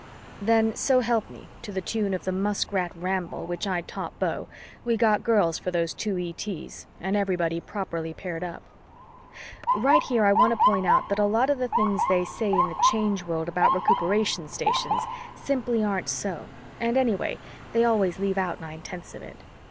Then, so help me, to the tune of the Muskrat Ramble, which I'd taught Beau, we got girls for those two ETs and everybody properly paired up. Right here I want to point out that a lot of the things they say in the Change World about Recuperation Stations simply aren't so and anyway they always leave out nine tenths of it.